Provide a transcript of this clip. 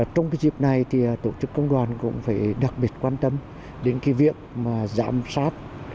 trong cái dịp này thì tổ chức công đoàn cũng phải đặc biệt quan tâm đến cái việc mà giám sát